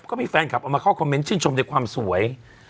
ก็มีแฟนคลับเอามาเข้าคอมเมนตชื่นชมในความสวย